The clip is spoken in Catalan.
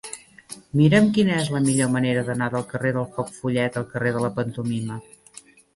Mira'm quina és la millor manera d'anar del carrer del Foc Follet al carrer de la Pantomima.